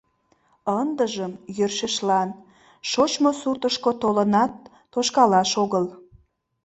Ындыжым — йӧршешлан, шочмо суртышко толынат тошкалаш огыл.